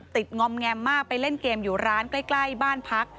งอมแงมมากไปเล่นเกมอยู่ร้านใกล้บ้านพัก